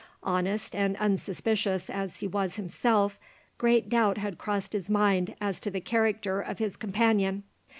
Honest and unsuspicious as he was himself, great doubt had crossed his mind as to the character of his companion.